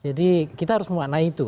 jadi kita harus mengaknai itu